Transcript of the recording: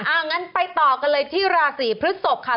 อ้าวงั้นไปต่อกันเลยที่ราศีพฤษกษ์ค่ะ